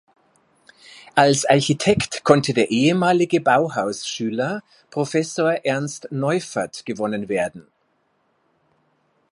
Als Architekt konnte der ehemalige Bauhausschüler Professor Ernst Neufert gewonnen werden.